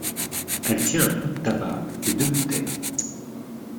Elle tient un pot de tabac et deux bouteilles.